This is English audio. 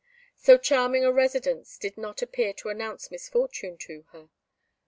So charming a residence did not appear to announce misfortune to her.